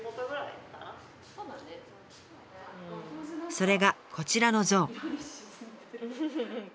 それがこちらの像。